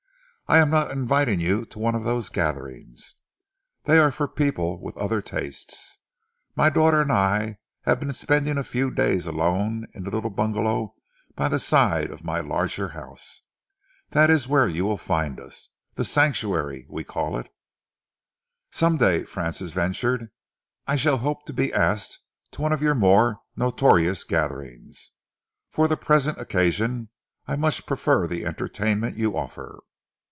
I am not inviting you to one of those gatherings. They are for people with other tastes. My daughter and I have been spending a few days alone in the little bungalow by the side of my larger house. That is where you will find us The Sanctuary, we call it." "Some day," Francis ventured, "I shall hope to be asked to one of your more notorious gatherings. For the present occasion I much prefer the entertainment you offer."